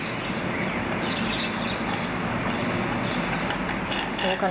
ไม่เกี่ยว